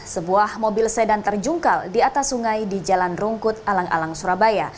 sebuah mobil sedan terjungkal di atas sungai di jalan rungkut alang alang surabaya